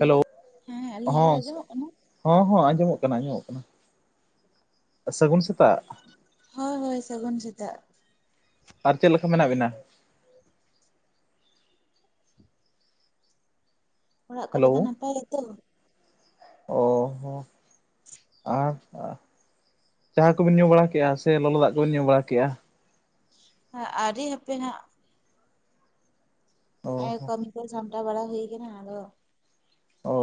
Hello, ᱦᱮᱸ ᱟᱹᱞᱤᱧᱟᱜ ᱨᱚᱲ ᱦᱚᱸ ᱟᱸᱡᱚᱢᱚᱜ ᱠᱟᱱᱟ? [unintelligible] ᱦᱚᱸ ᱦᱚᱸ ᱟᱸᱡᱚᱢᱚᱜ ᱠᱟᱱᱟ, ᱟᱸᱡᱚᱢᱚᱜ ᱠᱟᱱᱟ, ᱥᱟᱹᱜᱩᱱ ᱥᱮᱛᱟᱜ᱾ ᱦᱳᱭ ᱦᱳᱭ ᱥᱟᱹᱜᱩᱱ ᱥᱮᱛᱟᱜ᱾ ᱟᱨ ᱪᱮᱫ ᱞᱮᱠᱟ ᱢᱮᱱᱟᱜ ᱵᱮᱱᱟ? ᱚᱲᱟᱜ ᱠᱚᱨᱮ ᱫᱚ ᱦᱮᱞᱳ ᱱᱟᱯᱟᱭᱟ ᱜᱮᱛᱚ᱾ ᱚ ᱦᱚ᱾ ᱟᱨ ᱪᱟ ᱠᱚᱵᱮᱱ ᱧᱩ ᱵᱟᱲᱟ ᱠᱮᱜ-ᱟ ᱥᱮ, ᱞᱚᱞᱚ ᱫᱟᱜ ᱠᱚᱵᱮᱱ ᱧᱩ ᱵᱟᱲᱟ ᱠᱮᱜ-ᱟ? ᱦᱚᱸ ᱟᱣᱨᱤ ᱦᱟᱯᱮ ᱦᱟᱸᱜ᱾ ᱚ ᱮᱭ ᱦᱚᱸ ᱠᱟᱹᱢᱤ ᱠᱚ ᱥᱟᱢᱴᱟᱣ ᱵᱟᱲᱟ ᱦᱩᱭ ᱠᱟᱱᱟ ᱟᱫᱚ ᱚᱻ᱾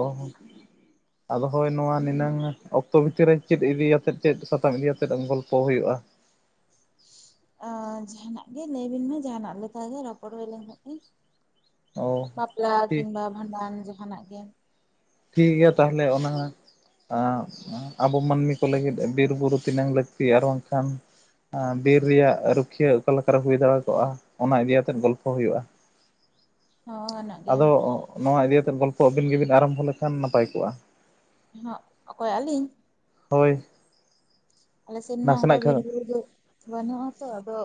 ᱟᱫᱚ ᱦᱳᱭ ᱱᱚᱣᱟ ᱱᱤᱱᱟᱹᱝ ᱚᱠᱛᱚ ᱵᱷᱤᱛᱤᱨ ᱨᱮ ᱪᱮᱫ ᱤᱫᱤᱭᱟᱛᱮᱫ, ᱪᱮᱫ ᱥᱟᱛᱟᱢ ᱤᱫᱤᱭᱟᱛᱮᱫ ᱜᱚᱞᱯᱚ ᱦᱩᱭᱩᱜ-ᱟ? ᱚᱻ ᱡᱟᱸᱦᱟᱱᱟᱜ ᱜᱮ ᱞᱟᱹᱭ ᱵᱤᱱ ᱢᱟ, ᱡᱟᱸᱦᱟᱱᱟᱜ ᱞᱮᱠᱟ ᱜᱮ ᱨᱚᱯᱚᱲ ᱦᱩᱭ ᱞᱮᱱᱠᱷᱟᱱ ᱜᱮ᱾ ᱚ ᱵᱟᱯᱞᱟ ᱴᱷᱤᱠ ᱠᱤᱱᱵᱟ ᱵᱷᱟᱸᱰᱟᱱ ᱡᱟᱸᱦᱟᱱᱟᱜ ᱜᱮ᱾ ᱴᱷᱤᱠ ᱜᱮᱭᱟ ᱛᱟᱦᱞᱮ ᱚᱱᱟ ᱮᱸᱜ, ᱟᱵᱚ ᱢᱟᱹᱱᱢᱤ ᱠᱚ ᱞᱟᱹᱜᱤᱫ ᱵᱤᱨ-ᱵᱩᱨᱩ ᱛᱤᱱᱟᱹᱝ ᱞᱟᱹᱠᱛᱤ ᱟᱨ ᱵᱟᱝᱠᱷᱟᱱ ᱟᱻ ᱵᱤᱨ ᱨᱮᱭᱟᱜ ᱨᱩᱠᱷᱤᱭᱟᱹ ᱚᱠᱟ ᱞᱮᱠᱟ ᱨᱮ ᱦᱩᱭ ᱫᱟᱲᱮ ᱠᱚᱜ-ᱟ ᱚᱱᱟ ᱤᱫᱤᱭᱟᱛᱮᱜ ᱜᱚᱞᱯᱷᱚ ᱦᱩᱭᱩᱜ-ᱟ᱾ ᱦᱚᱸ ᱜᱟᱱᱚᱜ [inaudible] ᱜᱮᱭᱟ ᱟᱫᱚ ᱚᱜ ᱱᱚᱣᱟ ᱤᱫᱤᱭᱟᱛᱮᱜ ᱜᱚᱞᱯᱚ ᱟᱹᱵᱤᱱ ᱜᱮᱵᱤᱱ ᱟᱨᱟᱢᱵᱷᱚ ᱞᱮᱠᱷᱟᱱ ᱱᱟᱯᱟᱭ ᱠᱚᱜ-ᱟ᱾ ᱦᱮᱸ ᱚᱠᱚᱭ ᱟᱞᱤᱧ? ᱦᱳᱭ᱾ ᱟᱞᱮ ᱥᱮᱱ ᱢᱟ ᱚᱝᱠᱟ ᱱᱟᱥᱮᱱᱟᱜ ᱵᱤᱨ ᱠᱷᱟᱱ ᱵᱩᱨᱩ ᱫᱚ ᱵᱟᱹᱱᱩᱜ-ᱟ ᱛᱚ ᱟᱫᱚ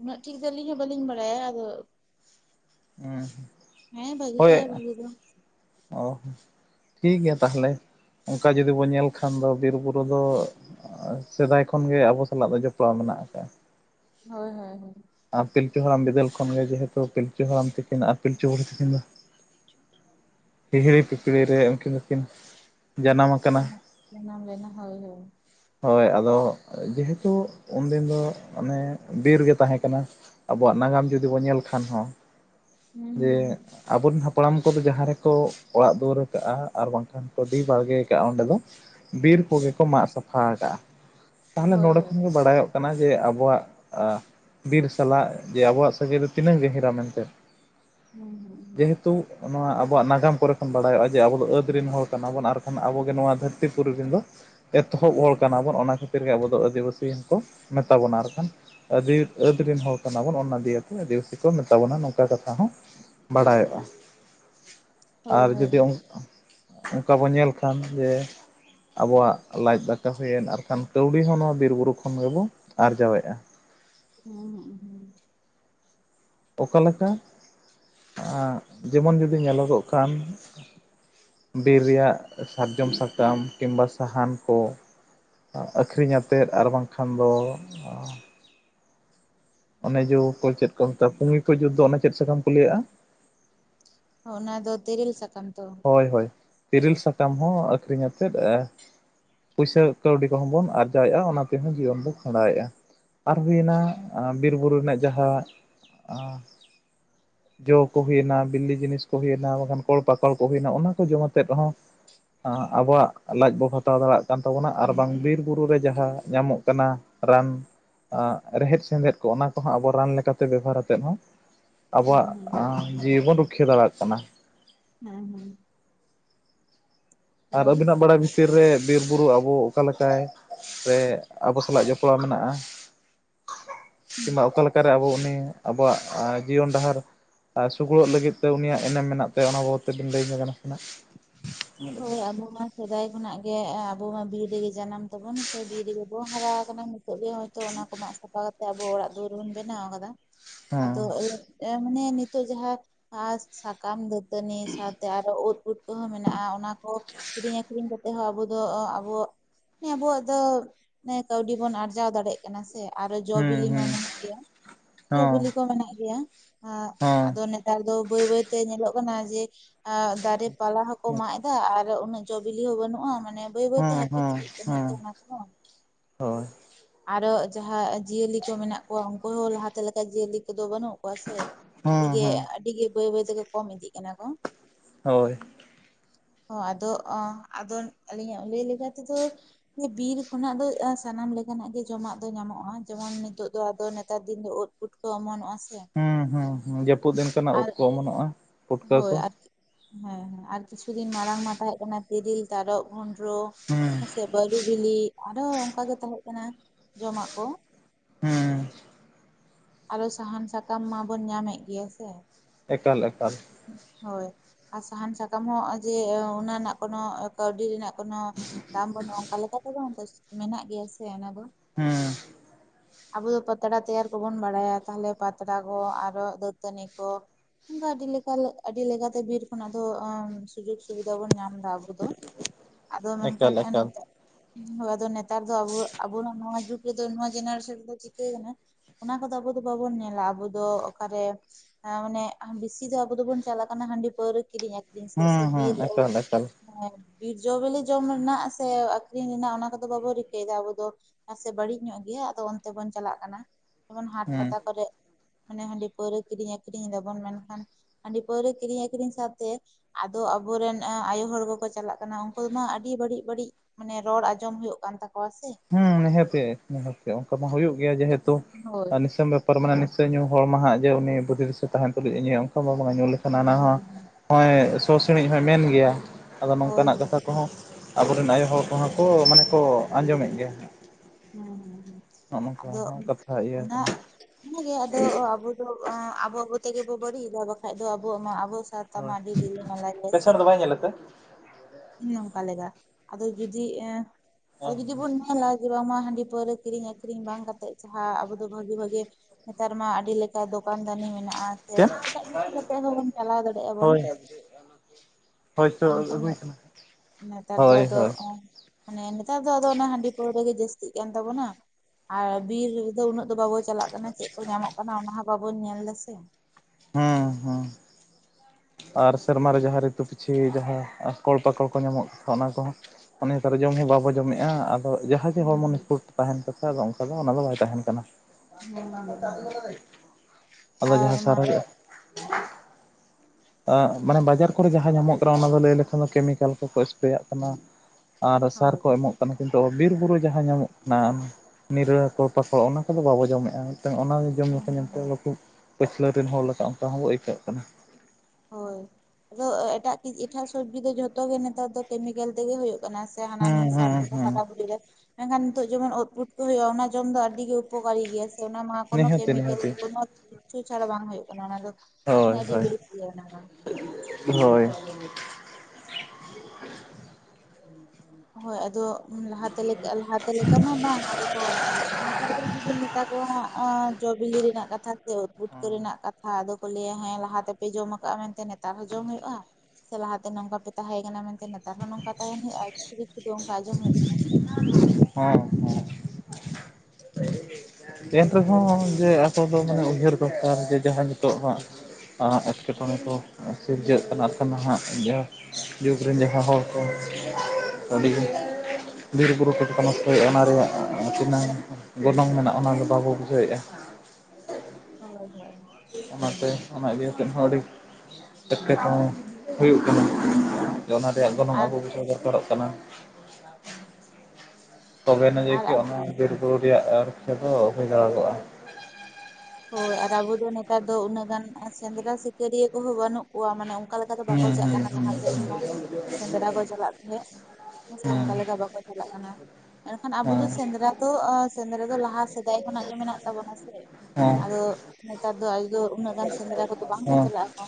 ᱩᱱᱟᱹᱜ ᱴᱷᱤᱠ ᱫᱚ ᱟᱹᱞᱤᱧ ᱦᱚᱸ ᱵᱟᱹᱞᱤᱧ ᱵᱟᱲᱟᱭᱟ ᱟᱫᱚ ᱩᱸ ᱦᱩ, ᱦᱮᱸ ᱵᱷᱟᱹᱜᱤᱜᱼᱟ ᱦᱳᱭ᱾ [unintelligible] ᱚ, ᱴᱷᱤᱠ ᱜᱮᱭᱟ ᱛᱟᱦᱞᱮ ᱚᱝᱠᱟ ᱡᱩᱫᱤ ᱵᱚᱱ ᱧᱮᱞ ᱠᱷᱟᱱ ᱫᱚ ᱵᱤᱨ ᱵᱩᱨᱩ ᱫᱚ ᱚᱻ ᱥᱮᱫᱟᱭ ᱠᱷᱚᱱ ᱜᱮ ᱟᱵᱚ ᱥᱟᱞᱟᱜ ᱫᱚ ᱡᱚᱯᱲᱟᱣ ᱢᱮᱱᱟᱜ ᱟᱠᱟᱜ-ᱟ᱾ ᱦᱳᱭ ᱦᱳᱭ ᱦᱳᱭ᱾ ᱟᱨ ᱯᱤᱞᱪᱩ ᱦᱟᱲᱟᱢ ᱵᱤᱫᱟᱹᱞ ᱠᱷᱚᱱ ᱜᱮ ᱡᱮᱦᱮᱛᱩ ᱯᱤᱞᱪᱩ ᱦᱟᱲᱟᱢ ᱛᱤᱠᱤᱱ ᱟᱨ ᱯᱤᱞᱪᱩ ᱵᱩᱲᱦᱤ ᱛᱤᱠᱤᱱ ᱫᱚ ᱦᱤᱦᱤᱲᱤ ᱯᱤᱯᱤᱲᱤ ᱨᱮ ᱩᱝᱠᱤᱱ ᱫᱚᱠᱤᱱ ᱡᱟᱱᱟᱢ ᱟᱠᱟᱱᱟ ᱡᱟᱱᱟ ᱡᱟᱱᱟᱢ ᱞᱮᱱᱟ ᱦᱳᱭ ᱦᱳᱭ᱾ ᱦᱳᱭ ᱟᱫᱚ ᱡᱮᱦᱮᱛᱩ ᱩᱱ ᱫᱤᱱ ᱫᱚ ᱢᱟᱱᱮ ᱵᱤᱨ ᱜᱮ ᱛᱟᱦᱮᱸ ᱠᱟᱱᱟ᱾ ᱟᱵᱚᱣᱟᱜ ᱱᱟᱜᱟᱢ ᱡᱩᱫᱤ ᱵᱚᱱ ᱧᱮᱞ ᱠᱷᱟᱱ ᱦᱚᱸ ᱦᱩᱸ ᱡᱮ ᱦᱩᱸ ᱟᱵᱚ ᱨᱮᱱ ᱦᱟᱯᱲᱟᱢ ᱠᱚᱫᱚ ᱡᱟᱦᱟᱸ ᱨᱮᱠᱚ ᱚᱲᱟᱜ ᱫᱩᱣᱟᱹᱨ ᱟᱠᱟᱜ-ᱟ ᱟᱨ ᱵᱟᱝ ᱠᱷᱟᱱ ᱠᱚ ᱰᱤ ᱵᱟᱲᱜᱮᱭ ᱠᱟᱜ-ᱟ ᱚᱸᱰᱮ ᱫᱚ ᱵᱤᱨ ᱠᱚᱜᱮ ᱠᱚ ᱢᱟᱜ ᱥᱟᱯᱷᱟ ᱟᱠᱟᱜ-ᱟ᱾ ᱦᱩᱸ, ᱛᱟᱦᱞᱮ ᱦᱳᱭ ᱱᱚᱸᱰᱮ ᱦᱳᱭ ᱠᱷᱚᱱ ᱜᱮ ᱵᱟᱲᱟᱭᱚᱜ ᱠᱟᱱᱟ ᱡᱮ ᱟᱵᱚᱣᱟᱜ ᱟ ᱵᱤᱨ ᱥᱟᱞᱟᱜ ᱡᱮ ᱟᱵᱚᱣᱟᱜ ᱥᱟᱹᱜᱟᱹᱭ ᱫᱚ ᱛᱤᱱᱟᱹᱝ ᱜᱟᱹᱦᱤᱨᱟ ᱢᱮᱱ ᱛᱮᱫ? ᱦᱩᱸ ᱦᱩᱸ ᱦᱩᱸ᱾ ᱛᱩᱜ ᱱᱚᱣᱟ ᱟᱵᱚᱣᱟᱜ ᱱᱟᱜᱟᱢ ᱠᱚᱨᱮ ᱠᱷᱚᱱ ᱵᱟᱲᱟᱭᱚᱜ-ᱟ ᱡᱮ ᱟᱵᱚ ᱫᱚ ᱟᱹᱫᱽ ᱨᱤᱱ ᱦᱚᱲ ᱠᱟᱱᱟ ᱵᱚᱱ ᱟᱨ ᱠᱷᱟᱱ ᱟᱵᱚ ᱜᱮ ᱱᱚᱣᱟ ᱫᱷᱟᱹᱨ ᱛᱤ ᱯᱩᱨᱤ ᱨᱮᱱ ᱫᱚ, ᱮᱛᱚᱦᱚᱵ ᱦᱚᱲ ᱠᱟᱱᱟ ᱵᱚᱱ ᱚᱱᱟ ᱠᱷᱟᱹᱛᱤ ᱜᱮ ᱟᱵᱚ ᱫᱚ ᱟᱹᱫᱤᱵᱟᱹᱥᱤ ᱦᱚᱸ ᱠᱚ ᱢᱮᱛᱟ ᱵᱚᱱᱟ ᱟᱨ ᱠᱷᱟᱱ, ᱟᱹᱫᱤᱼᱼ ᱟᱹᱫᱽ ᱨᱤᱱ ᱦᱚᱲ ᱠᱟᱱᱟ ᱵᱚᱱ ᱚᱱᱟ ᱫᱤᱭᱮ ᱛᱮ ᱟᱹᱫᱤᱵᱟᱹᱥᱤ ᱠᱚ ᱢᱮᱛᱟ ᱵᱚᱱᱟ ᱱᱚᱝᱠᱟ ᱠᱟᱛᱷᱟ ᱦᱚᱸ ᱵᱟᱲᱟᱭᱚᱜ-ᱟ᱾ ᱦᱳᱭ ᱟᱨ ᱦᱳᱭ ᱡᱩᱫᱤ ᱚᱝ, ᱚᱝᱠᱟ ᱵᱚᱱ ᱧᱮᱞ ᱠᱷᱟᱱ ᱡᱮᱼᱼ ᱟᱵᱚᱣᱟᱜ ᱞᱟᱡ ᱫᱟᱠᱟ ᱦᱩᱭᱮᱱ ᱟᱨ ᱠᱷᱟᱱ ᱠᱟᱹᱣᱰᱤ ᱦᱚᱸ ᱱᱚᱣᱟ ᱵᱤᱨ ᱵᱩᱨᱩ ᱠᱷᱚᱱ ᱜᱮᱵᱚ ᱟᱨᱡᱟᱣᱮᱜ-ᱟ᱾ ᱦᱩᱸ ᱦᱩᱸᱜ ᱦᱩᱸ᱾ ᱚᱠᱟ ᱞᱮᱠᱟ! ᱟᱸ ᱡᱮᱢᱚᱱ ᱡᱩᱫᱤ ᱧᱮᱞᱚᱜᱚᱜ ᱠᱷᱟᱱ ᱵᱤᱨ ᱨᱮᱭᱟᱜ ᱥᱟᱨᱡᱚᱢ ᱥᱟᱠᱟᱢ ᱠᱤᱝᱵᱟ ᱥᱟᱦᱟᱱ ᱠᱚ ᱟ ᱟᱹᱠᱷᱨᱤᱧ ᱟᱛᱮᱫ ᱟᱨ ᱵᱟᱝ ᱠᱷᱟᱱ ᱫᱚ ᱚᱱᱮ ᱡᱚ ᱠᱚ ᱪᱮᱫ ᱠᱚ ᱢᱮᱛᱟᱜ-ᱟ ᱯᱩᱝᱤ ᱠᱚ ᱡᱩᱛ ᱫᱚ ᱚᱱᱮ ᱪᱮᱫ ᱥᱟᱠᱟᱢ ᱠᱚ ᱞᱟᱹᱭᱮᱜ-ᱟ? ᱦᱚᱸ ᱚᱱᱟ ᱫᱚ ᱛᱤᱨᱤᱞ ᱥᱟᱠᱟᱢ ᱛᱚ᱾ ᱦᱚᱭ ᱦᱚᱭ, ᱛᱤᱨᱤᱞ ᱥᱟᱠᱟᱢ ᱦᱚᱸ ᱟᱹᱠᱷᱨᱤᱧ ᱟᱛᱮᱫ ᱯᱩᱭᱥᱟᱹ, ᱠᱟᱹᱣᱰᱤ ᱠᱚᱦᱚᱸ ᱵᱚᱱ ᱟᱨᱡᱟᱣᱮᱜ-ᱟ ᱚᱱᱟ ᱛᱮᱦᱚᱸ ᱡᱤᱭᱚᱱ ᱵᱚ ᱠᱷᱟᱸᱰᱟᱣᱮᱜ-ᱟ᱾ ᱟᱨ ᱦᱩᱭ ᱮᱱᱟ ᱟ ᱵᱤᱨᱼᱵᱩᱨᱩ ᱨᱮᱱᱟᱜ ᱡᱟᱦᱟᱸ ᱟ ᱡᱚ ᱠᱚ ᱦᱩᱭᱮᱱᱟ, ᱵᱤᱞᱤ ᱡᱤᱱᱤᱥ ᱠᱚ ᱦᱩᱭᱮᱱᱟ ᱵᱟᱠᱷᱟᱱ ᱠᱚᱲ ᱯᱟ ᱠᱚᱲ‌ ᱠᱚ ᱦᱩᱭᱮᱱᱟ, ᱚᱱᱟ ᱠᱚ ᱡᱚᱢ ᱟᱛᱮᱫ ᱨᱮᱦᱚᱸ ᱟᱻ ᱟᱵᱚᱣᱟᱜ ᱞᱟᱡ ᱵᱚ ᱵᱷᱟᱛᱟᱣ ᱫᱟᱲᱟᱜ ᱠᱟᱱ ᱛᱟᱵᱚᱱᱟ ᱟᱨ ᱵᱟᱝ ᱵᱤᱨ ᱵᱩᱨᱩ ᱨᱮ ᱡᱟᱦᱟᱸ ᱧᱟᱢᱚᱜ ᱠᱟᱱᱟ, ᱨᱟᱱ, ᱟᱜ ᱨᱮᱦᱮᱫ ᱥᱮᱸᱫᱷᱮᱫ ᱠᱚ ᱚᱱᱟ ᱠᱚᱦᱚᱸ ᱟᱵᱚ ᱨᱟᱱ ᱞᱮᱠᱟ ᱛᱮ ᱵᱮᱵᱚᱦᱟᱨ ᱟᱛᱮᱫ ᱦᱚᱸ ᱦᱩᱸ ᱟᱵᱚᱣᱟᱜ ᱦᱩᱸ ᱟ ᱡᱤᱣᱤ ᱵᱚᱱ ᱨᱩᱠᱷᱤᱭᱟᱹ ᱫᱟᱲᱟᱜ ᱠᱟᱱᱟ᱾ ᱦᱮᱸ ᱦᱮᱸ᱾ ᱟᱨ ᱦᱳᱭ ᱟᱹᱵᱤᱱᱟᱜ ᱵᱟᱲᱟᱭ ᱵᱷᱤ ᱛᱤᱨ ᱨᱮ ᱵᱤᱨᱼᱵᱩᱨᱩ ᱟᱵᱚ ᱚᱠᱟ ᱞᱮᱠᱟᱭ ᱨᱮ, ᱟᱵᱚ ᱥᱟᱞᱟᱜ ᱡᱚᱯᱲᱟᱣ ᱢᱮᱱᱟᱜᱼᱟ, ᱠᱤᱝᱵᱟ ᱚᱠᱟ ᱞᱮᱠᱟᱨᱮ ᱟᱵᱚ ᱩᱱᱤ ᱟᱵᱚᱣᱟᱜ ᱡᱤᱭᱚᱱ ᱰᱟᱦᱟᱨ ᱟᱨ ᱥᱩᱜᱩᱲᱚᱜ ᱞᱟᱹᱜᱤᱫ ᱛᱮ ᱩᱱᱤᱭᱟᱜ ᱮᱱᱮᱢ ᱢᱮᱱᱟᱜ ᱛᱟᱭᱟ ᱚᱱᱟ ᱵᱟᱵᱚᱛ ᱛᱮᱵᱤᱱ ᱞᱟᱹᱭ ᱧᱚᱜᱟ ᱱᱟᱥᱮᱱᱟᱜ᱾ ᱦᱳᱭ ᱟᱵᱚ ᱢᱟ ᱥᱮᱫᱟᱭ ᱠᱷᱚᱱᱟᱜ ᱜᱮ ᱟᱵᱚ ᱢᱟ ᱵᱤᱨ ᱨᱮᱜᱮ ᱡᱟᱱᱟᱢ ᱛᱟᱵᱚᱱ ᱥᱮ ᱵᱤᱨ ᱨᱮᱜᱮ ᱵᱚᱱ ᱦᱟᱨᱟ ᱟᱠᱟᱱᱟ ᱱᱤᱛᱚᱜ ᱜᱮ ᱦᱚᱭᱛᱚ ᱚᱱᱟ ᱠᱚ ᱢᱟᱜ ᱥᱟᱯᱷᱟ ᱠᱟ ᱛᱮ ᱟᱵᱚ ᱚᱲᱟᱜ ᱫᱩᱣᱟᱹᱨ ᱵᱚᱱ ᱵᱮᱱᱟᱣ ᱟᱠᱟᱫᱟ᱾ ᱦᱮᱸ ᱟᱫᱚ [inaudible] ᱮᱸ ᱢᱟᱱᱮ ᱱᱤᱛᱚᱜ ᱡᱟᱦᱟᱸ ᱥᱟᱠᱟᱢ ᱫᱟᱹᱛᱟᱹᱱᱤ ᱥᱟᱶᱛᱮ ᱟᱨᱚ ᱩᱫ ᱩᱫ ᱠᱚᱦᱚᱸ ᱢᱮᱱᱟᱜᱼᱟ ᱚᱱᱟ ᱠᱚ, ᱠᱤᱨᱤᱧ ᱟᱠᱷᱨᱤᱧ ᱠᱟᱛᱮᱜ ᱦᱚᱸ ᱟᱵᱚ ᱫᱚ ᱟᱵᱚᱣᱟᱜ ᱦᱮᱸ ᱟᱵᱚᱣᱟᱜ ᱫᱚ, ᱚᱱᱮ ᱠᱟᱹᱣᱰᱤ ᱵᱚᱱ ᱟᱨᱡᱟᱣ ᱫᱟᱲᱮᱜ ᱠᱟᱱᱟ ᱥᱮ ᱟᱨᱚ ᱡᱚ ᱦᱩᱸ ᱵᱤᱞᱤ ᱢᱟ ᱦᱩᱸ ᱢᱮᱱᱟᱜ ᱜᱮᱭᱟ, ᱡᱚ ᱵᱤᱞᱤ ᱠᱚ ᱦᱚᱸ ᱢᱮᱱᱟᱜ ᱜᱮᱭᱟ᱾ ᱟᱸᱻ ᱦᱚᱸ ᱟᱫᱚ ᱱᱮᱛᱟᱨ ᱫᱚ ᱵᱟᱹᱭ ᱵᱟᱹᱭ ᱛᱮ ᱧᱮᱞᱚᱜ ᱠᱟᱱᱟ ᱡᱮ, ᱟᱸᱻ ᱫᱟᱨᱮ ᱯᱟᱞᱦᱟ ᱦᱚᱸᱠᱚ ᱢᱟᱜ ᱮᱫᱟ ᱟᱨ ᱩᱱᱟᱹᱜ ᱡᱚ ᱵᱤᱞᱤ ᱦᱚᱸ ᱵᱟᱹᱱᱩᱜᱼᱟ, ᱢᱟᱱᱮ ᱵᱟᱹᱭ ᱵᱟᱹᱭᱛᱮ ᱦᱟᱹᱯᱤᱛ ᱤᱫᱤᱜ ᱠᱟᱱᱟ ᱥᱮ ᱚᱱᱟ ᱠᱚᱦᱚᱸ᱾ ᱦᱚᱭ᱾ ᱟᱨᱚ ᱡᱟᱦᱟᱸ ᱡᱤᱭᱟᱹᱞᱤ ᱠᱚ ᱢᱮᱱᱟᱜ ᱠᱚᱣᱟ ᱩᱝᱠᱩ ᱦᱚᱸ ᱞᱟᱦᱟᱛᱮ ᱞᱮᱠᱟ ᱡᱤᱭᱟᱹᱞᱤ ᱠᱚᱫᱚ ᱵᱟᱹᱱᱩᱜ ᱠᱚᱣᱟ ᱥᱮ, ᱦᱚᱸ ᱟᱹᱰᱤᱜᱮ ᱦᱚᱸ ᱟᱹᱰᱤ ᱜᱮ ᱵᱟᱹᱭ ᱵᱟᱹᱭ ᱛᱮᱠᱚ ᱠᱚᱢ ᱤᱫᱤᱜ ᱠᱟᱱᱟ ᱠᱚ᱾ ᱦᱚᱭ᱾ ᱦᱚᱸ ᱟᱫᱚ, ᱟᱫᱚ ᱟᱹᱞᱤᱧᱟᱜ ᱞᱟᱹᱭ ᱞᱮᱠᱟ ᱛᱮᱫᱚ ᱡᱮ ᱵᱤᱨ ᱠᱷᱚᱱᱟᱜ ᱫᱚ ᱥᱟᱱᱟᱢ ᱞᱮ ᱠᱟᱱᱟᱜ ᱜᱮ ᱡᱚᱢᱟᱜ ᱫᱚ ᱧᱟᱢᱚᱜᱼᱟ ᱡᱮᱢᱚᱱ ᱱᱤᱛᱚᱜ ᱫᱚ ᱟᱫᱚ ᱱᱮᱛᱟᱨ ᱫᱤᱱ ᱫᱚ ᱳᱫ ᱯᱩᱴᱠᱟᱹ ᱚᱢᱚᱱᱚᱜᱼᱟ ᱥᱮ᱾ ᱦᱩᱸ ᱦᱩᱸ ᱦᱩᱸ ᱡᱟᱹᱯᱩᱫ ᱫᱤᱱ ᱠᱟᱱᱟ ᱟᱨ ᱳᱫ ᱠᱚ ᱚᱢᱚᱱᱚᱜᱼᱟ᱾ ᱯᱩᱴᱠᱟᱹ ᱦᱳᱭ ᱠᱚ ᱟᱨᱠᱤ, ᱦᱮᱸ ᱦᱮᱸ ᱟᱨ ᱠᱤᱪᱷᱩ ᱫᱤᱱ ᱢᱟᱲᱟᱝ ᱢᱟ ᱛᱟᱦᱮᱸᱜ ᱠᱟᱱᱟ ᱛᱤᱨᱤᱞ, ᱛᱟᱨᱚᱵ, ᱵᱷᱳᱱᱰᱨᱚ, ᱦᱩᱸ᱾ ᱥᱮ ᱵᱟᱹᱨᱩ ᱵᱤᱞᱤ ᱟᱨᱚ ᱚᱱᱠᱟ ᱜᱮ ᱛᱟᱦᱮᱸᱷ ᱠᱟᱱᱟ ᱡᱚᱢᱟᱜ ᱠᱚᱼᱼ ᱦᱩᱸ᱾ ᱟᱨᱚ ᱥᱟᱦᱟᱱ ᱥᱟᱠᱟᱢ ᱢᱟᱵᱚᱱ ᱧᱟᱢᱮᱫ ᱜᱮᱭᱟ ᱦᱮᱸᱥᱮ᱾ ᱮᱠᱟᱞᱼᱮᱠᱟᱞ᱾ ᱦᱳᱭ ᱟᱨ ᱥᱟᱦᱟᱱ ᱥᱟᱠᱟᱢ ᱦᱚᱸ ᱡᱮ ᱚᱱᱟ ᱨᱮᱱᱟᱜ ᱠᱳᱱᱚ ᱠᱟᱹᱣᱰᱤ ᱨᱮᱱᱟᱜᱼᱼ ᱠᱳᱚᱱᱚ ᱫᱟᱢ ᱵᱟᱹᱱᱩᱜᱼᱟ ᱚᱱᱠᱟ ᱞᱮᱠᱟ ᱞᱮᱠᱟᱛᱮᱫᱚ ᱢᱮᱱᱟᱜ ᱜᱮᱭᱟ ᱥᱮ ᱚᱱᱟ ᱫᱚᱼᱼ ᱦᱩᱸ᱾ ᱟᱵᱚ ᱫᱚ ᱯᱟᱛᱲᱟ ᱛᱮᱭᱟᱨ ᱠᱚᱼᱼ ᱵᱚᱱ ᱵᱟᱲᱟᱭᱟ ᱛᱟᱦᱚᱞᱮ ᱯᱟᱛᱨᱟ ᱠᱚ ᱟᱨᱚ ᱫᱟᱹᱛᱟᱹᱱᱤ ᱠᱚᱼᱼ ᱚᱱᱠᱟ ᱟᱹᱰᱤ ᱞᱮᱠᱟ ᱟᱹᱰᱤ ᱞᱮᱠᱟᱛᱮ ᱵᱤᱨ ᱠᱷᱚᱱᱟᱜ ᱫᱚ ᱥᱩᱡᱳᱜᱽ ᱥᱩᱵᱤᱫᱟ ᱵᱚᱱ ᱧᱟᱢ ᱮᱫᱟ ᱟᱵᱚ ᱫᱚᱼᱼ [inaudible] ᱟᱫᱚ ᱮᱠᱟᱞ ᱢᱮᱱᱠᱷᱟᱱ ᱮᱢ ᱮᱠᱟᱞ ᱠᱟᱛᱮᱜᱼᱼ ᱦᱳᱭ ᱟᱫᱚ ᱱᱮᱛᱟᱨ ᱫᱚ ᱟᱵᱩ ᱟᱵᱚᱱᱟᱜ ᱱᱚᱣᱟ ᱡᱩᱜᱽ ᱨᱮᱫᱚ ᱱᱚᱣᱟ ᱡᱮᱱᱟᱨᱮᱥᱚᱱ ᱨᱮᱫᱚ ᱪᱤᱠᱟ ᱠᱟᱱᱟᱼᱼ ᱚᱱᱟ ᱠᱚᱫᱚ ᱟᱵᱚ ᱫᱚ ᱵᱟᱵᱩᱱ ᱧᱮᱞᱟ ᱟᱵᱩ ᱫᱚ ᱚᱠᱟᱨᱮᱼᱼ ᱢᱟᱱᱮ ᱵᱤᱥᱤ ᱫᱚ ᱟᱵᱚ ᱫᱚᱵᱚᱱ ᱪᱟᱞᱟᱜ ᱠᱟᱱᱟ ᱦᱟᱺᱰᱤ ᱯᱟᱹᱣᱨᱟᱹ ᱠᱤᱨᱤᱧ ᱟᱹᱠᱷᱨᱤᱧ ᱥᱮᱫ ᱥᱮ ᱦᱩᱸ ᱦᱩᱸ ᱵᱤᱨᱼᱼ ᱮᱠᱟᱞ ᱮᱠᱟᱞ ᱦᱮᱸ ᱵᱤᱨ ᱡᱚ ᱵᱤᱞᱤ ᱡᱚᱢ ᱨᱮᱱᱟᱜ ᱥᱮ ᱟᱠᱷᱨᱤᱧ ᱨᱮᱱᱟᱜ ᱚᱱᱟ ᱠᱚᱫᱚ ᱵᱟᱵᱚ ᱨᱤᱠᱟᱹᱭᱮᱫᱟ ᱟᱵᱚ ᱫᱚᱼᱼ ᱚᱠᱟ ᱥᱮᱫ ᱵᱟᱹᱲᱤᱡ ᱧᱚᱜ ᱜᱮᱭᱟ ᱟᱫᱚ ᱚᱱᱛᱮ ᱵᱚᱱ ᱪᱟᱞᱟᱜ ᱠᱟᱱᱟ᱾ ᱡᱮᱢᱚᱱ ᱦᱟᱴ ᱦᱩᱸ ᱯᱟᱛᱟ ᱠᱚᱨᱮᱜ ᱢᱟᱱᱮ ᱦᱟᱺᱰᱤ ᱯᱟᱹᱣᱨᱟᱹ ᱠᱤᱨᱤᱧ ᱟᱹᱠᱷᱨᱤᱧ ᱫᱟᱵᱚᱱ ᱢᱮᱱᱠᱷᱟᱱᱼᱼ ᱦᱟᱸᱰᱤ ᱯᱟᱹᱣᱨᱟᱹ ᱠᱤᱨᱧ ᱟᱠᱷᱨᱤᱧ ᱥᱟᱣᱛᱮᱼᱼ ᱟᱫᱚ ᱟᱵᱚᱨᱮᱱ ᱟᱭᱳ ᱦᱚᱲ ᱠᱚᱠᱚ ᱪᱟᱞᱟᱜ ᱠᱟᱱᱟ ᱩᱱᱠᱩ ᱢᱟ ᱟᱹᱰᱤ ᱵᱟᱹᱲᱤᱡᱼᱵᱟᱹᱲᱤᱡᱼᱼ ᱢᱟᱱᱮ ᱨᱚᱲ ᱟᱸᱡᱚᱢ ᱦᱳᱭᱩᱜ ᱠᱟᱱ ᱛᱟᱠᱚᱣᱟ ᱥᱮᱼᱼ ᱦᱩᱸ ᱦᱮᱸ ᱛᱮ ᱱᱤᱦᱟᱹᱛ ᱥᱮ ᱚᱱᱠᱟ ᱢᱟ ᱦᱩᱭᱩᱜ ᱜᱮᱭᱟ ᱡᱮᱦᱮᱛᱩ ᱦᱳᱭ ᱟᱞᱮᱥᱮᱱ ᱫᱚᱼᱼ ᱛᱟᱨ ᱢᱟᱱᱮ ᱱᱤᱥᱚᱭ ᱧᱩ ᱦᱚᱲ ᱢᱟ ᱦᱟᱸᱜ ᱡᱮ ᱩᱱᱤ ᱵᱩᱫᱷᱤ ᱫᱤᱥᱟᱹ ᱛᱟᱦᱮᱱ ᱛᱩᱞᱩᱡ ᱮ ᱧᱩᱭᱟ ᱚᱱᱠᱟ ᱢᱟ ᱵᱟᱝ ᱧᱩ ᱞᱮᱠᱷᱟᱱ ᱦᱩᱸ ᱦᱟᱱᱟ ᱦᱚᱸᱼᱼ ᱦᱩᱸ ᱦᱚᱸᱜᱚᱭ ᱥᱚ ᱥᱤᱬᱤᱡ ᱦᱚᱸᱭ ᱢᱮᱱ ᱜᱮᱭᱟ ᱟᱫᱚ ᱦᱳᱭ ᱱᱚᱝᱠᱟᱱᱟᱜ ᱦᱳᱭ ᱠᱟᱛᱷᱟ ᱠᱚᱦᱚᱸᱼᱼ ᱟᱵᱚᱨᱮᱱ ᱟᱭᱳ ᱦᱚᱲ ᱠᱚᱦᱚᱸ ᱠᱚ ᱢᱟᱱᱮ ᱠᱚ ᱟᱸᱡᱚᱢᱮᱜ ᱜᱮᱭᱟ ᱦᱟᱸᱜᱼᱼ ᱦᱮᱸ ᱦᱮᱸ ᱦᱮᱸ ᱟᱫᱚ ᱠᱟᱛᱷᱟ ᱤᱭᱟᱹ ᱚᱱᱟᱼᱼ ᱠᱟᱱᱟ ᱚᱱᱟᱜᱮ ᱟᱫᱚ ᱟᱵᱚ ᱫᱚ ᱟᱵᱚ ᱠᱚᱛᱮ ᱜᱮᱵᱚ ᱵᱟᱹᱲᱤᱡᱽ ᱮᱫᱟ ᱵᱟᱠᱷᱟᱡ ᱫᱚ ᱟᱵᱚᱣᱟᱜ ᱢᱟ ᱟᱵᱚᱼᱼ ᱦᱮ ᱛᱚ ᱢᱟ ᱦᱳᱭ ᱟᱹᱰᱤ ᱨᱤᱞᱟ ᱢᱟᱞᱟ ᱜᱮᱭᱟ ᱥᱮ ᱯᱮᱥᱮᱱᱴ ᱫᱚ [inaudible] ᱵᱟᱭ ᱧᱮᱞ ᱛᱮᱼᱼ ᱱᱚᱝᱠᱟ ᱞᱮᱠᱟ ᱟᱫᱚ ᱡᱩᱫᱤ ᱮ ᱟᱫᱚ ᱡᱩᱫᱤ ᱵᱚᱱ ᱦᱳᱭ ᱧᱮᱞᱟᱼᱼ ᱡᱮ ᱵᱟᱝᱢᱟ ᱦᱟᱺᱰᱤ ᱯᱟᱹᱣᱨᱟᱹ ᱠᱤᱨᱤᱧ ᱟᱠᱷᱨᱤᱧ ᱵᱟᱝ ᱠᱟᱛᱮ ᱡᱟᱦᱟᱸ ᱟᱵᱚ ᱫᱚ ᱵᱷᱟᱹᱜᱤ ᱵᱷᱟᱹᱜᱤᱼᱼ ᱱᱮᱛᱟᱨ ᱢᱟ ᱟᱹᱰᱤ ᱞᱮᱠᱟ ᱫᱚᱠᱟᱱ ᱫᱟᱱᱤ ᱢᱮᱱᱟᱜ-ᱟ᱾ ᱟᱨ ᱥᱮ ᱮᱴᱟᱜ ᱠᱤᱪᱷᱩ ᱠᱟᱛᱮᱜ ᱦᱚᱸᱵᱚᱱ ᱪᱟᱞᱟᱣ ᱫᱟᱲᱮᱭᱟᱜ-ᱟ ᱵᱚᱱᱼᱼ ᱦᱚᱭ ᱛᱚ ᱟᱹᱜᱩᱭ ᱠᱟᱱᱟ ᱾ ᱱᱮᱛᱟᱨ ᱫᱚ ᱟᱫᱚᱼᱼ ᱢᱟᱱᱮ ᱱᱮᱛᱟᱨ ᱫᱚ ᱟᱫᱚ ᱚᱱᱟ ᱦᱟᱺᱰᱤ ᱯᱟᱹᱣᱨᱟᱹ ᱜᱮ ᱡᱟᱹᱥᱛᱤᱜ ᱠᱟᱱ ᱛᱟᱵᱚᱱᱟ ᱟᱨ ᱵᱤᱨ ᱨᱮ ᱫᱚ ᱩᱱᱟᱹᱜ ᱫᱚ ᱵᱟᱵᱚᱱᱼᱼ ᱪᱟᱞᱟᱜ ᱠᱟᱱᱟ ᱪᱮᱫ ᱠᱚ ᱧᱟᱢᱚᱜ ᱠᱟᱱᱟ ᱚᱱᱟ ᱦᱚᱸ ᱵᱟᱵᱚᱱ ᱧᱮᱞ ᱫᱟ ᱥᱮ? ᱦᱩᱸ ᱦᱩᱸ᱾ ᱟᱨ ᱥᱮᱨᱢᱟ ᱨᱮ ᱡᱟᱦᱟᱸ ᱨᱤᱛᱩ ᱯᱤᱪᱷᱤ ᱡᱟᱦᱟᱸ ᱯᱷᱚᱞ ᱯᱟᱠᱚᱲ ᱠᱚ ᱧᱟᱢᱚᱜ ᱚᱱᱟ ᱠᱚᱦᱚᱸᱼᱼ ᱚᱱᱮ ᱥᱟᱨᱡᱚᱢ ᱦᱚᱸ ᱵᱟᱵᱚᱱ ᱡᱚᱢᱮᱫ-ᱟ᱾ ᱟᱫᱚ ᱡᱟᱦᱟᱸ ᱡᱮ ᱦᱚᱲᱢᱚ ᱱᱤᱥᱯᱷᱩᱴ ᱛᱟᱦᱮᱱ ᱠᱟᱛᱷᱟ ᱟᱫᱚ ᱚᱱᱠᱟ ᱫᱚ ᱚᱱᱟ ᱫᱚ ᱵᱟᱭ ᱛᱟᱦᱮᱱ ᱠᱟᱱᱟ᱾ ᱦᱩᱸ ᱦᱩᱸ ᱦᱩᱸ ᱟᱫᱚ ᱟᱨ ᱡᱟᱦᱟᱸ ᱚᱱᱟ ᱥᱟᱨᱮᱡᱚ ᱼᱼ ᱢᱟᱱᱮ ᱵᱟᱡᱟᱨ ᱠᱚᱨᱮ ᱡᱟᱦᱟᱸ ᱧᱟᱢᱚᱜ ᱠᱟᱱᱟ ᱚᱱᱟ ᱫᱚ ᱞᱟᱹᱭ ᱞᱮᱠᱷᱟᱱ ᱫᱚ ᱠᱮᱢᱤᱠᱮᱞ ᱠᱚᱠᱚ ᱮᱥᱯᱨᱮᱭᱟᱜ ᱠᱟᱱᱟ᱾ ᱟᱨ ᱥᱟᱨ ᱦᱳᱭ ᱠᱚ ᱮᱢᱚᱜ ᱠᱟᱱᱟ ᱠᱤᱱᱛᱩ ᱵᱤᱨ-ᱵᱩᱨᱩ ᱨᱮ ᱡᱟᱦᱟᱸ ᱧᱟᱢᱚᱜ ᱠᱟᱱᱟ᱾ ᱱᱤᱨᱟᱹ ᱠᱚᱲ ᱯᱟᱠᱚᱲ ᱚᱱᱟ ᱠᱚᱫᱚ ᱵᱟᱵᱚ ᱡᱚᱢᱮᱜ-ᱟ ᱢᱤᱫᱴᱟᱝ ᱚᱱᱟ ᱡᱚᱢ ᱦᱩᱸ ᱞᱮᱠᱟ ᱧᱮᱞᱛᱮ ᱦᱩᱸ ᱩᱱᱠᱩ ᱯᱟᱹᱪᱷᱞᱟᱹ ᱨᱤᱱ ᱦᱚᱲ ᱞᱮᱠᱟ ᱚᱱᱠᱟ ᱦᱚᱸᱵᱚ ᱟᱹᱭᱠᱟᱹᱜ ᱠᱟᱱᱟ᱾ ᱦᱳᱭ, ᱟᱫᱚ ᱮᱴᱟᱜ ᱮᱴᱟᱜ ᱥᱚᱵᱽᱡᱤ ᱫᱚ ᱡᱷᱚᱛᱚ ᱜᱮ ᱱᱮᱛᱟᱨ ᱫᱚ ᱠᱮᱢᱤᱠᱮᱞ ᱛᱮᱜᱮ ᱦᱳᱭᱳᱜ ᱠᱟᱱᱟ᱾ ᱥᱮ ᱦᱟᱱᱟ ᱱᱤᱭᱟᱹ ᱦᱩᱸ ᱥᱟᱨ ᱦᱩᱸ ᱛᱮᱠᱚ ᱦᱩᱸ ᱦᱟᱨᱟ ᱵᱩᱨᱩᱭᱮᱫᱟ᱾ ᱢᱮᱱᱠᱷᱟᱱ ᱱᱤᱛᱚᱜ ᱡᱮᱢᱚᱱ ᱩᱫ ᱯᱩᱴᱠᱳ ᱦᱳᱭᱳᱜ-ᱟ, ᱚᱱᱟ ᱡᱚᱢ ᱫᱚ ᱟᱰᱤ ᱜᱮ ᱩᱯᱚᱠᱟᱨᱤ ᱜᱮᱭᱟ᱾ ᱚᱱᱟ ᱢᱟ ᱠᱚᱱᱚ ᱱᱤᱦᱟᱹᱛᱤ ᱠᱮᱢᱤᱠᱮᱞ ᱱᱤᱦᱟᱹᱛᱤ ᱠᱚᱱᱚ ᱠᱤᱪᱪᱷᱩ ᱪᱷᱟᱲᱟ ᱵᱟᱝ ᱦᱳᱭᱳᱜ ᱠᱟᱱᱟ ᱚᱱᱟ ᱫᱚ ᱦᱳᱭ ᱟᱹᱰᱤ ᱦᱳᱭ ᱵᱮᱥ᱾ [unintelligible] ᱦᱳᱭ᱾ ᱦᱳᱭ, ᱟᱫᱚ ᱞᱟᱦᱟᱛᱮ ᱞᱮᱠᱟ ᱞᱟᱦᱟᱛᱮ ᱞᱮᱠᱟ ᱢᱟ ᱵᱟᱝ ᱟᱫᱚ ᱠᱚ ᱱᱮᱛᱟᱨ ᱫᱚ ᱡᱩᱫᱤᱧ ᱢᱮᱛᱟ ᱠᱚᱣᱟ ᱟᱸ ᱡᱚ ᱵᱤᱞᱤ ᱨᱮᱱᱟᱜ ᱠᱟᱛᱷᱟ ᱥᱮ ᱩᱫ ᱯᱩᱴᱠᱟᱹ ᱨᱮᱱᱟᱜ ᱠᱟᱛᱷᱟ ᱟᱫᱚ ᱠᱚ ᱞᱟᱹᱭᱟ ᱦᱮᱸ ᱞᱟᱦᱟ ᱛᱮᱯᱮ ᱡᱚᱢ ᱟᱠᱟᱜ-ᱟ ᱢᱮᱱᱛᱮ ᱱᱮᱛᱟᱨ ᱦᱚᱸ ᱡᱚᱢ ᱦᱳᱭᱳᱜ-ᱟ᱾ ᱥᱮ ᱞᱟᱦᱟᱛᱮ ᱱᱚᱝᱠᱟ ᱯᱮ ᱛᱟᱦᱮᱸ ᱠᱟᱱᱟ ᱢᱮᱱᱛᱮ ᱱᱮᱛᱟᱨ ᱦᱚᱸ ᱱᱚᱝᱠᱟ ᱛᱟᱦᱮᱱ ᱦᱩᱭᱩᱜ-ᱟ ᱠᱤᱪᱷᱩ ᱠᱤᱪᱷᱩ ᱫᱚ ᱚᱝᱠᱟ ᱟᱸᱡᱚᱢ ᱦᱳᱭᱳᱜ ᱠᱟᱱᱟ ᱥᱮ᱾ ᱦᱚᱸ᱾ ᱦᱚᱸ ᱮᱱ ᱨᱮᱦᱚᱸ ᱡᱮ ᱟᱵᱚ ᱫᱚ ᱢᱟᱱᱮ ᱩᱭᱦᱟᱹᱨ ᱫᱚᱨᱠᱟᱨ ᱡᱮ ᱡᱟᱦᱟᱸ ᱱᱤᱛᱚᱜ ᱦᱟᱸᱜ᱾ ᱟᱸᱻ ᱮᱴᱠᱮᱴᱚᱬᱮ ᱠᱚ ᱥᱤᱨᱡᱟᱹᱜ ᱠᱟᱱᱟ ᱥᱮ ᱱᱟᱦᱟᱸᱜ ᱡᱩᱜᱽ ᱨᱤᱱ ᱡᱟᱦᱟᱸ ᱦᱚᱲ ᱠᱚ ᱟᱹᱰᱤ ᱜᱮ ᱵᱤᱨᱼᱵᱩᱨᱩ ᱠᱚᱠᱚ ᱱᱚᱥᱴᱚᱭᱮᱜ-ᱟ, ᱚᱱᱟ ᱨᱮᱭᱟᱜ ᱛᱤᱱᱟᱹᱝ ᱜᱚᱱᱚᱝ ᱢᱮᱱᱟᱜ-ᱟ ᱚᱱᱟ ᱫᱚ ᱵᱟᱵᱚ ᱵᱩᱡᱷᱟᱹᱣᱮᱜ-ᱟ᱾ ᱦᱳᱭ ᱦᱳᱭ᱾ ᱚᱱᱟᱛᱮ ᱚᱱᱟ ᱤᱭᱟᱛᱮᱫ ᱦᱚᱸ ᱟᱹᱰᱤ᱾ ᱮᱴᱠᱮᱴᱚᱬᱮ ᱦᱩᱭᱩᱜ ᱠᱟᱱᱟ ᱚᱱᱟ ᱨᱮᱭᱟᱜ ᱦᱩᱸ ᱜᱚᱱᱚᱝ ᱟᱨ ᱟᱵᱚ ᱵᱩᱡᱷᱟᱹᱣ ᱫᱚᱨᱠᱟᱨᱚᱜ ᱠᱟᱱᱟ᱾ [inaudible] ᱛᱚᱵᱮ ᱮᱱᱟᱝ ᱟᱨ ᱡᱮᱠᱤ ᱟᱵᱚ ᱚᱱᱟ ᱵᱤᱨ-ᱵᱩᱨᱩ ᱨᱮᱭᱟᱜ ᱨᱟᱠᱷᱟ ᱫᱚ ᱦᱩᱭ ᱫᱟᱲᱮᱜᱚᱜ-ᱟ᱾ ᱦᱳᱭ ᱟᱨ ᱟᱵᱚ ᱫᱚ ᱱᱮᱛᱟᱨ ᱫᱚ ᱩᱱᱟᱹᱜ ᱜᱟᱱ ᱥᱮᱸᱫᱽᱨᱟ ᱥᱤᱠᱟᱹᱨᱤᱭᱟᱹ ᱠᱚᱦᱚᱸ ᱵᱟᱹᱱᱩᱜ ᱠᱚᱣᱟ ᱢᱟᱱᱮ ᱚᱝᱠᱟ ᱞᱮᱠᱟ ᱫᱚ ᱦᱩᱸ ᱵᱟᱠᱚ ᱪᱟᱞᱟᱜ ᱦᱩᱸ ᱠᱟᱱᱟ ᱦᱩᱸ ᱞᱟᱦᱟᱛᱮ ᱡᱮᱢᱚᱱ ᱥᱮᱸᱫᱽᱨᱟ ᱠᱚ ᱪᱟᱞᱟᱜ ᱛᱟᱦᱮᱸᱜ᱾ ᱦᱮᱸ ᱦᱩᱸ ᱥᱮ ᱦᱩᱸ ᱚᱝᱠᱟ ᱞᱮᱠᱟ ᱵᱟᱠᱚ ᱪᱟᱞᱟᱜ ᱠᱟᱱᱟ᱾ ᱢᱮᱱᱠᱷᱟᱱ ᱟᱵᱚ ᱫᱚ ᱦᱮᱸ ᱥᱮᱸᱫᱽᱨᱟ ᱫᱚ ᱥᱮᱸᱫᱽᱨᱟ ᱫᱚ ᱞᱟᱦᱟ ᱥᱮᱫᱟᱭ ᱠᱷᱚᱱᱟᱜ ᱜᱮ ᱢᱮᱱᱟᱜ ᱛᱟᱵᱚᱱᱟ ᱥᱮ᱾ ᱚᱻ ᱟᱫᱚ ᱱᱮᱛᱟᱨ ᱫᱚ ᱟᱫᱚ ᱩᱱᱟᱹᱜ ᱜᱟᱱ ᱥᱮᱸᱫᱽᱨᱟ ᱠᱚᱫᱚ ᱵᱟᱝ ᱠᱚ ᱦᱮᱸ ᱪᱟᱞᱟᱜ ᱟᱠᱚ᱾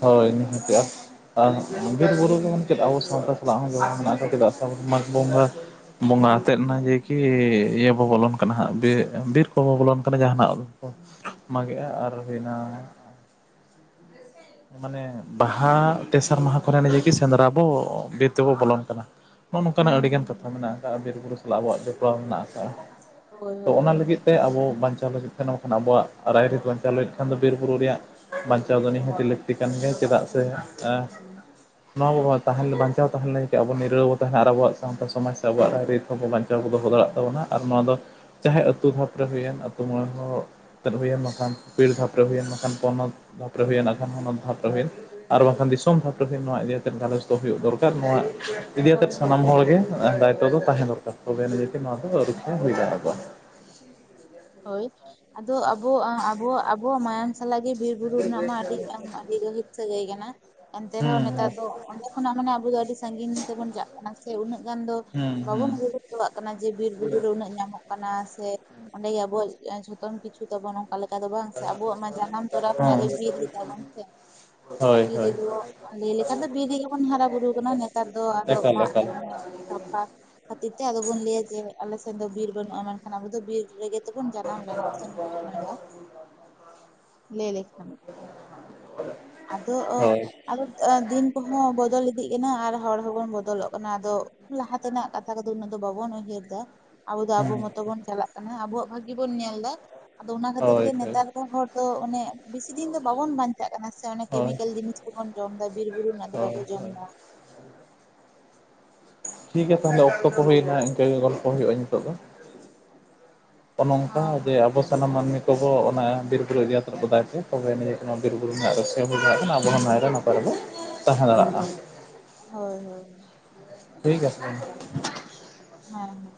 ᱦᱳᱭ ᱱᱤᱦᱟᱹᱛ ᱟᱨ ᱵᱤᱨ-ᱵᱩᱨᱩ ᱡᱮᱢᱚᱱ ᱪᱮᱫ ᱟᱵᱚ ᱥᱟᱶᱛᱟ ᱥᱟᱞᱟᱜ ᱦᱚᱸ ᱡᱚᱲᱟᱣ ᱢᱮᱱᱟᱜ-ᱟ, ᱪᱮᱫᱟᱜ ᱥᱮ ᱢᱟᱜᱽ ᱵᱚᱸᱜᱟ᱾ ᱵᱚᱸᱜᱟ ᱟᱛᱮᱱ ᱱᱟ ᱦᱩᱸ ᱡᱮᱭ ᱠᱤ ᱤᱭᱟᱹ ᱵᱚ ᱵᱚᱞᱚᱱ ᱠᱟᱱᱟ ᱦᱟᱸᱜ ᱵᱤᱨ ᱵᱤᱨ ᱠᱚᱵᱚ ᱵᱚᱞᱚᱱ ᱠᱟᱱᱟ ᱡᱟᱦᱟᱱᱟᱜ ᱠᱚ ᱢᱟᱜᱮᱜ-ᱟ ᱟᱨ ᱦᱩᱭᱮᱱᱟ ᱢᱟᱱᱮ ᱵᱟᱦᱟ ᱛᱮᱥᱟᱨ ᱢᱟᱦᱟ ᱠᱚᱨᱮ ᱱᱤ ᱡᱮ ᱠᱤ ᱥᱮᱸᱫᱽᱨᱟ ᱵᱚ ᱵᱤᱨ ᱛᱮᱵᱚ ᱵᱚᱞᱚᱱ ᱠᱟᱱᱟ᱾ ᱱᱚᱜ-ᱚ ᱱᱚᱝᱠᱟᱱᱟᱜ ᱦᱩᱸ ᱦᱩᱸ ᱟᱹᱰᱤᱜᱟᱱ ᱠᱟᱛᱷᱟ ᱦᱩᱸ ᱢᱮᱱᱟᱜ ᱟᱠᱟᱜ-ᱟ, ᱵᱤᱨ ᱵᱩᱨᱩ ᱥᱟᱞᱟᱜ ᱟᱵᱚᱣᱟᱜ ᱡᱚᱯᱲᱟᱣ ᱢᱮᱱᱟᱜ ᱟᱠᱟᱜ-ᱟ ᱦᱳᱭ ᱛᱚ ᱦᱳᱭ ᱚᱱᱟ ᱞᱟᱹᱜᱤᱫ ᱛᱮ ᱟᱵᱚ ᱵᱟᱧᱪᱟᱣ ᱞᱟᱹᱜᱤᱫ ᱛᱟᱦᱮ ᱵᱟᱝᱠᱷᱟᱱ ᱟᱵᱚᱣᱟᱜ ᱨᱟᱭᱨᱤᱛ ᱵᱟᱧᱪᱟᱣ ᱞᱟᱹᱜᱤᱫ ᱠᱷᱟᱱ ᱫᱚ ᱵᱤᱨ ᱵᱩᱨᱩ ᱨᱮᱭᱟᱜ ᱵᱟᱧᱪᱟᱣ ᱫᱚ ᱱᱤᱦᱟᱹᱛᱤ ᱞᱟᱹᱠᱛᱤ ᱠᱟᱱ ᱜᱮᱭᱟ, ᱪᱮᱫᱟᱜ ᱥᱮ ᱦᱩᱸ ᱦᱩᱸ ᱱᱚᱣᱟᱵ ᱛᱟᱦᱮᱱ ᱵᱟᱧᱪᱟᱣ ᱛᱟᱦᱮᱱ ᱞᱟᱹᱜᱤᱛ ᱛᱮ ᱟᱵᱚ ᱱᱤᱨᱟᱹᱣ ᱵᱚ ᱛᱟᱦᱮᱱᱟ ᱟᱨ ᱟᱵᱚᱣᱟᱜ ᱥᱟᱶᱛᱟ ᱥᱚᱢᱟᱡᱽ ᱥᱮ ᱟᱵᱚᱣᱟᱜ ᱨᱤᱛ ᱦᱚᱸᱵᱚ ᱵᱟᱧ ᱪᱟᱣ ᱵᱚ ᱫᱚᱦᱚ ᱫᱟᱲᱮᱜ ᱛᱟᱵᱚᱱᱟ ᱟᱨ ᱱᱚᱣᱟ ᱫᱚ ᱪᱟᱦᱮ ᱟᱹᱛᱩ ᱵᱷᱟᱵ ᱨᱮ ᱦᱩᱭᱮᱱ ᱟᱹᱛᱩ ᱢᱚᱬᱮ ᱦᱚᱲ᱾ ᱦᱩᱭ ᱮᱱ ᱵᱟᱠᱷᱟᱱ ᱯᱤᱲᱫᱷᱟᱯ ᱨᱮ ᱦᱩᱭ ᱮᱱ ᱢᱠᱷᱟᱱ ᱯᱚᱱᱚᱛ ᱫᱷᱟᱯ ᱨᱮ ᱦᱩᱭᱮᱱ ᱾ ᱠᱷᱟᱱ ᱦᱚᱱᱚᱛ ᱫᱷᱟᱯ ᱨᱮ ᱦᱩᱭᱩᱜ ᱟᱨ ᱵᱟᱝᱠᱷᱟᱱ ᱫᱤᱥᱚᱢ ᱫᱷᱟᱯ ᱨᱮ ᱦᱩᱭᱩᱜ ᱱᱚᱣᱟ ᱤᱫᱤᱭᱟᱛᱮ ᱜᱟᱞᱚᱪ ᱫᱚ ᱦᱩᱭᱩᱜ ᱫᱚᱨᱠᱟᱨ ᱱᱚᱣᱟ ᱤᱫᱤ ᱟᱛᱮᱱ ᱦᱳᱭ ᱦᱳᱭ ᱥᱟᱱᱟᱢ ᱦᱳᱭ ᱦᱚᱲᱜᱮ ᱫᱟᱭᱤᱛᱚ ᱫᱚ ᱛᱟᱦᱮᱸ ᱫᱚᱨᱠᱟᱨ ᱛᱚᱵᱮ ᱱᱤᱡᱮᱤ ᱱᱚᱣᱟ ᱫᱚ ᱨᱩᱠᱷᱤᱭᱟᱹ ᱦᱩᱭ ᱫᱟᱲᱮ ᱠᱚᱜ-ᱟ᱾ ᱦᱳᱭ, ᱟᱫᱚ ᱟᱵᱚ ᱟᱵᱚᱣᱟᱜ ᱟᱵᱚ ᱢᱟᱭᱟᱝ ᱥᱟᱞᱟᱜ ᱜᱮ ᱵᱤᱨ ᱵᱩᱨᱩ ᱨᱮᱱᱟᱜ ᱢᱟ ᱟᱹᱰᱤ ᱟᱹᱰᱤ ᱜᱟᱹᱦᱤᱨ ᱥᱟᱹᱜᱟᱹᱭ ᱠᱟᱱᱟ ᱮᱱᱛᱮ ᱨᱮᱦᱚᱸ ᱦᱩᱸ ᱱᱮᱛᱟᱨ ᱫᱚ ᱚᱸᱰᱮ ᱠᱷᱚᱱᱟᱜ ᱢᱟᱱᱮ ᱟᱵᱚ ᱫᱚ ᱟᱹᱰᱤ ᱥᱟᱺᱜᱤᱧ ᱛᱮᱵᱚᱱ ᱪᱟᱜ ᱠᱟᱱᱟ ᱥᱮ ᱩᱱᱟᱹᱜ ᱜᱟᱱ ᱫᱚ ᱦᱩᱸ ᱦᱩᱸ ᱵᱟᱵᱚᱱ ᱦᱩᱸ ᱜᱩᱨᱩᱛᱛᱚᱣᱟᱜ ᱠᱟᱱᱟ᱾ ᱠᱟᱱᱟ ᱡᱮ ᱵᱤᱨ ᱵᱩᱨᱩ ᱨᱮ ᱩᱱᱟᱹᱜ ᱧᱟᱢᱚᱜ ᱠᱟᱱᱟ ᱥᱮ ᱚᱸᱰᱮ ᱜᱮ ᱟᱵᱚᱣᱟᱜ ᱡᱷᱚᱛᱚᱢ ᱠᱤᱪᱷᱩ ᱛᱟᱵᱚᱱ ᱚᱱᱠᱟ᱾ ᱚᱱᱠᱟ ᱞᱮᱠᱟ ᱫᱚ ᱵᱟᱝ ᱥᱮ ᱟᱵᱚᱣᱟᱜ ᱢᱟ ᱡᱟᱱᱟᱢ ᱛᱚᱨᱟ ᱠᱷᱚᱱᱟᱜ ᱦᱚᱸ ᱜᱮ ᱵᱤᱨ ᱜᱮᱛᱟᱵᱚᱱ ᱥᱮ? ᱦᱳᱭ ᱵᱤᱨ ᱦᱳᱭ, ᱞᱟᱹᱭ ᱞᱮᱠᱷᱟᱱ ᱫᱚ ᱵᱤᱨ ᱨᱮ ᱜᱮ ᱵᱚᱱ ᱦᱟᱨᱟ ᱵᱩᱨᱩ ᱠᱟᱱᱟ ᱱᱮᱛᱟᱨ ᱫᱚ ᱟᱫᱚ ᱮᱠᱟᱞ ᱢᱟᱜ ᱮᱠᱟᱞ ᱥᱟᱯᱷᱟ ᱠᱷᱟᱹᱛᱤᱨ ᱛᱮ ᱟᱫᱚᱵᱚᱱ ᱞᱟᱹᱭᱟ ᱡᱮ ᱟᱞᱮ ᱥᱮᱱ ᱫᱚ ᱵᱤᱨ ᱵᱟᱹᱱᱩᱜᱼᱟ, ᱢᱮᱱᱠᱷᱟᱱ ᱟᱵᱚ ᱫᱚ ᱵᱤᱨ ᱨᱮᱜᱮ ᱛᱮᱵᱚᱱ ᱡᱟᱱᱟᱢ ᱞᱮᱱᱟ ᱵᱚᱱ ᱥᱮ, ᱞᱟᱹᱭ ᱞᱮᱠᱷᱟᱱ ᱟᱫᱚ, ᱦᱳᱭ ᱟᱫᱚ ᱫᱤᱱ ᱠᱚ ᱦᱚᱸ ᱵᱚᱫᱚᱞ ᱤᱫᱤᱜ ᱠᱟᱱᱟ ᱟᱨ ᱦᱚᱲ ᱦᱚᱸᱵᱚᱱ ᱵᱚᱫᱚᱞᱚᱜ ᱠᱟᱱᱟ ᱟᱫᱚ ᱞᱟᱦᱟ ᱛᱮᱱᱟᱜ ᱠᱟᱛᱷᱟ ᱠᱚ ᱫᱚ ᱩᱱᱟᱹᱜ ᱫᱚ ᱵᱟᱵᱚᱱ ᱩᱭᱦᱟᱹᱨᱫᱟ ᱾ ᱟᱵᱚ ᱫᱚ ᱟᱵᱚ ᱦᱩᱸ ᱢᱚᱛᱚ ᱵᱚᱱ ᱪᱟᱞᱟᱜ ᱠᱟᱱᱟ ᱟᱵᱚᱣᱟᱜ ᱵᱷᱟᱜᱤ ᱵᱚᱱ ᱧᱮᱞ ᱮᱫᱟ, ᱟᱫᱚ ᱚᱱᱟ ᱠᱷᱟᱹᱛᱤᱨ ᱦᱳᱭ ᱜᱮ ᱦᱳᱭ ᱱᱮᱛᱟᱨ ᱠᱚ ᱦᱚᱲ ᱛᱚ ᱚᱱᱮ ᱵᱤᱥᱤ ᱫᱤᱱ ᱫᱚ ᱵᱟᱵᱚᱱ ᱵᱟᱧᱪᱟᱜ ᱠᱟᱱᱟ ᱾ ᱚᱱᱮ ᱦᱳᱭ ᱠᱮᱢᱤᱠᱮᱞ ᱡᱤᱱᱤᱥ ᱠᱚᱵᱚᱱ ᱡᱚᱢ ᱮᱫᱟ ᱵᱤᱨᱵᱩᱨᱩ ᱨᱮᱱᱟᱜ ᱫᱚ ᱦᱳᱭ ᱵᱟᱵᱚᱱ ᱡᱚᱢ ᱦᱳᱭ ᱮᱫᱟ, ᱴᱷᱤᱠ ᱜᱮᱭᱟ ᱵᱟᱞᱮ ᱛᱟᱦᱞᱮ ᱚᱠᱛᱚ ᱠᱚ ᱦᱩᱭᱱᱟ ᱤᱱᱠᱟᱹ ᱜᱮ ᱜᱚᱞᱯᱚ ᱦᱳᱭᱳᱜᱼᱟ ᱱᱤᱛᱚᱜ ᱫᱚ ᱱᱚ-ᱱᱚᱝᱠᱟ ᱦᱚᱸ ᱡᱮ ᱦᱳᱭ ᱟᱵᱚ, ᱥᱟᱱᱟᱢ ᱢᱟᱹᱱᱢᱤ ᱠᱚᱵᱚ ᱚᱱᱟ ᱵᱤᱨ ᱵᱩᱨᱩ ᱤᱫᱤ [inaudible] ᱟᱵᱚ ᱦᱚᱸ ᱱᱟᱭ ᱨᱮ [inaudible] ᱛᱟᱦᱮᱸ ᱫᱟᱲᱮᱭᱟᱜᱼᱟ ᱾ ᱦᱳᱭ ᱦᱳᱭ, ᱴᱷᱤᱠ ᱟᱪᱪᱷᱮ, ᱦᱮᱸ ᱦᱮᱸ,